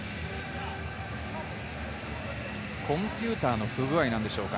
コンピューターの不具合でしょうか？